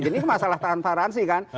jadi masalah transparansi kan